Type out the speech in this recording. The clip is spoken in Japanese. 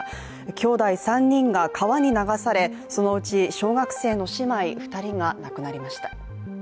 きょうだい３人が川に流され、そのうち小学生の姉妹２人が亡くなりました。